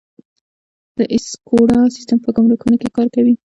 د اسیکوډا سیستم په ګمرکونو کې کار کوي؟